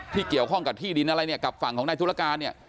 เกี่ยวข้องกับที่ดินอะไรเนี่ยกับฝั่งของนายธุรการเนี่ย